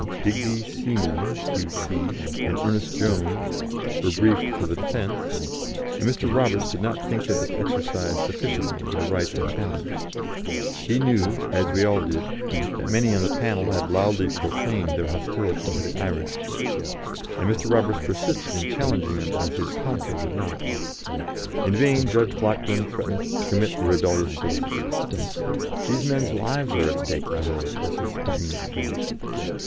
Digby Seymour, Q.C., and Ernest Jones, were briefed for the defence, and Mr. Roberts did not think that they exercised sufficiently their right of challenge; he knew, as we all did, that many on the panel had loudly proclaimed their hostility to the Irish, and Mr. Roberts persisted in challenging them as his counsel would not. In vain Judge Blackburn threatened to commit the rebellious solicitor: "These men's lives are at stake, my lord," was his indignant plea.